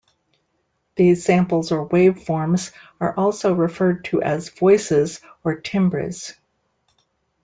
These samples or waveforms are also referred to as voices or timbres.